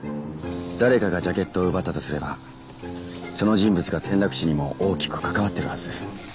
誰かがジャケットを奪ったとすればその人物が転落死にも大きく関わってるはずです。